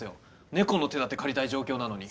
猫の手だって借りたい状況なのに。